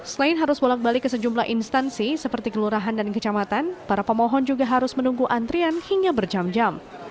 selain harus bolak balik ke sejumlah instansi seperti kelurahan dan kecamatan para pemohon juga harus menunggu antrian hingga berjam jam